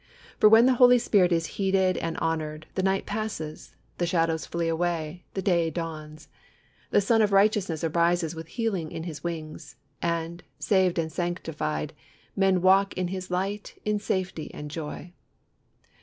For when the Holy Spirit is heeded and honoured, the night passes, the shadows flee away, the day dawns, "the Sun of Righteousness arises with healing in His wings," and, saved and sanctified, men walk in His light in safety and joy.